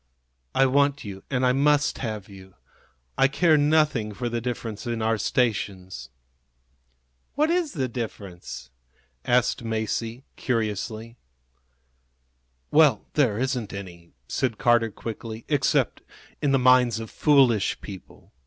I want you, and I must have you. I care nothing for the difference in our stations." "What is the difference?" asked Masie, curiously. "Well, there isn't any," said Carter, quickly, "except in the minds of foolish people.